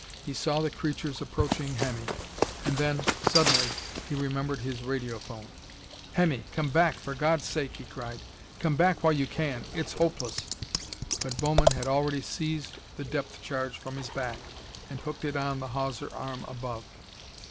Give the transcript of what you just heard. He saw the creatures approaching Hemmy. And then, suddenly, he remembered his radiophone. "Hemmy! Come back, for God's sake!" he cried. "Come back while you can it's hopeless!" But Bowman had already seized the depth charge from his back and hooked it on the hawser arm above.